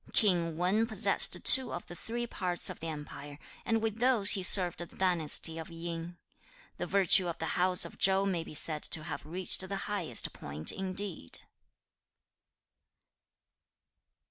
'King Wan possessed two of the three parts of the empire, and with those he served the dynasty of Yin. The virtue of the house of Chau may be said to have reached the highest point indeed.'